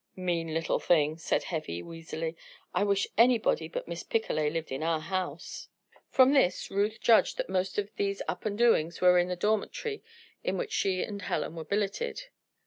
"Mean little thing!" said Heavy, wheezily. "I wish anybody but Miss Picolet lived in our house." From this Ruth judged that most of these Up and Doings were in the dormitory in which she and Helen were billeted.